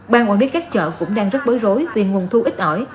ban quản lý các chợ cũng đang rất bối rối vì nguồn thu ít ỏi